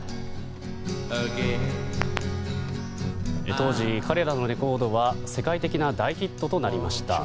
当時、彼らのレコードは世界的な大ヒットとなりました。